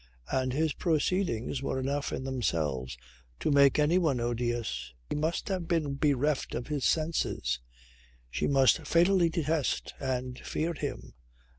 And his proceedings were enough in themselves to make anyone odious. He must have been bereft of his senses. She must fatally detest and fear him.